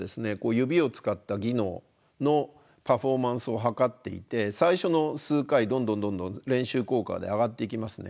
指を使った技能のパフォーマンスを測っていて最初の数回どんどんどんどん練習効果で上がっていきますね。